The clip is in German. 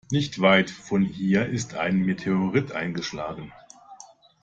Nicht weit von hier ist ein Meteorit eingeschlagen.